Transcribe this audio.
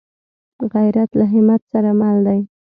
غیرت له همت سره مل دی